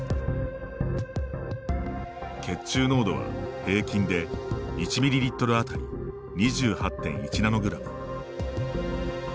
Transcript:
血中濃度は、平均で１ミリリットルあたり２８．１ナノグラム。